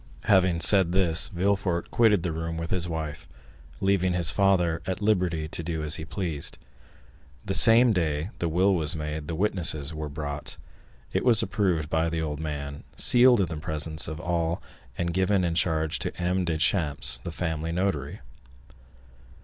Having said this, Villefort quitted the room with his wife, leaving his father at liberty to do as he pleased. The same day the will was made, the witnesses were brought, it was approved by the old man, sealed in the presence of all and given in charge to M. Deschamps, the family notary.